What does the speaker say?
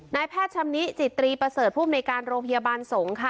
นายแพทย์ชำนิจิตรีประเสริฐภูมิในการโรงพยาบาลสงฆ์ค่ะ